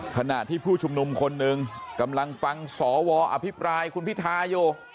ขณะที่ผู้ชุมนุมคนหนึ่งกำลังฟังสวอภิปรายคุณพิทาอยู่